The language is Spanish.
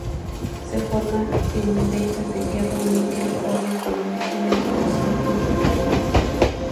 Se forma en vetas de hierro-níquel-cobre con origen de alteración hidrotermal.